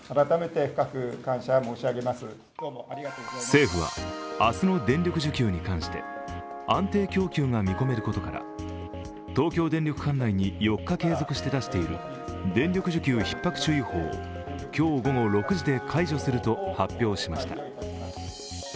政府は、明日の電力需給に関して安定供給が見込めることから東京電力管内に４日継続して出している電力需給ひっ迫注意報を今日午後６時で解除すると発表しました。